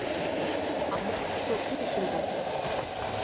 — А мо тушто у уло?